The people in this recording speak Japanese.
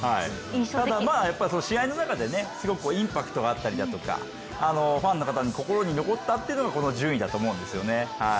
ただやっぱり試合の中ですごくインパクトがあったりだとかファンの方の心に残ったのがこの順位だと思うんですよね。